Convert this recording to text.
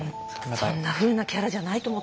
そんなふうなキャラじゃないと思ったんでしょうね。